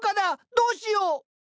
どうしよう！